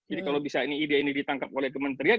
jadi kalau bisa ini ide ini ditangkap oleh kementerian